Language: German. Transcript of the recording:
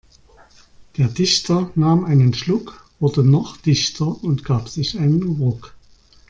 Der Dichter nahm einen Schluck, wurde noch dichter und gab sich einen Ruck.